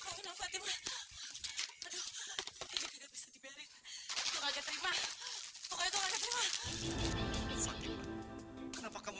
sebenarnya aku udah hampir berada di dinding kau